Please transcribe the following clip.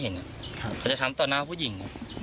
เขาจะช้ำต่อหน้าผู้หญิง